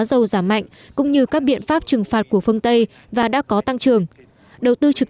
dầu giảm mạnh cũng như các biện pháp trừng phạt của phương tây và đã có tăng trưởng đầu tư trực